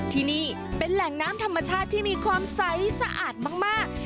ที่นี่เป็นแหล่งน้ำธรรมชาติที่มีความใสสะอาดมาก